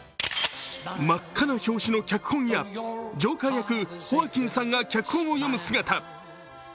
真っ赤な表紙の脚本やジョーカー役ホアキンさんが脚本を読む姿。